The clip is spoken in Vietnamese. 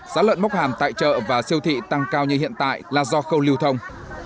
giá lợn mốc hàm tại chợ và siêu thị tăng cao như hiện tại là do khâu lưu thông